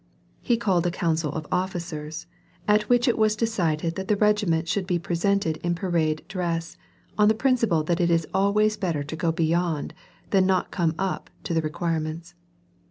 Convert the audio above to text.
— lie called a council of officers, at which it was decided that the regiment should be presented in parade dress, on the principle that it is always better to go beyond than not to come up to the requirements.